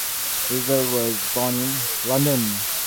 Revel was born in London.